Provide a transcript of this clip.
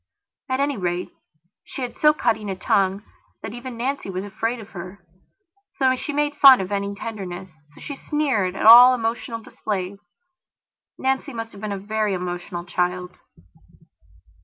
At any rate, she had so cutting a tongue that even Nancy was afraid of hershe so made fun of any tenderness, she so sneered at all emotional displays. Nancy must have been a very emotional child.